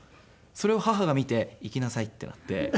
それを母が見て「行きなさい」ってなって。